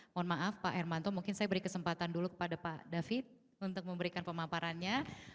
mohon maaf pak hermanto mungkin saya beri kesempatan dulu kepada pak david untuk memberikan pemaparannya